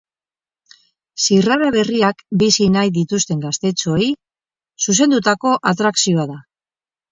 Zirrara berriak bizi nahi dituzten gaztetxoei zuzendutako atrakzioa da.